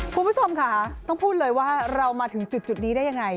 คุณผู้ชมค่ะต้องพูดเลยว่าเรามาถึงจุดนี้ได้ยังไง